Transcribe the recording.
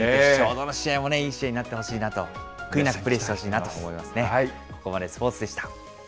どの試合もいい試合になってほしいなと、悔いなくプレーしてほしいなと思いますね。